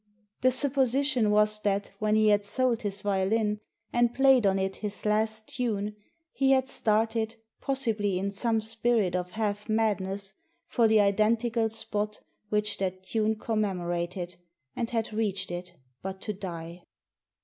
The supposition was that when he had sold his violin, and played on it his last tune, he had started, possibly in some spirit of half madness, for the identical spot which that tune commemorated, and had reached it but to die.